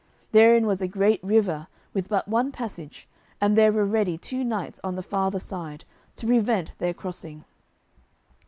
Therein was a great river with but one passage, and there were ready two knights on the farther side, to prevent their crossing.